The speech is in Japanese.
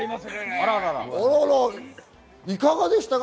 いかがでしたか？